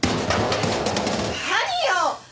何よ！